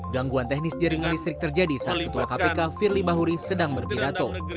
gangguan teknis jaringan listrik terjadi saat ketua kpk firly bahuri sedang berpidato